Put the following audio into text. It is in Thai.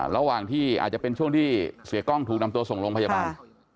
ระหว่างที่อาจจะเป็นช่วงที่เสียกล้องถูกนำตัวส่งโรงพยาบาล